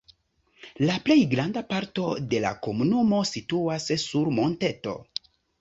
La plej granda parto de la komunumo situas sur monteto.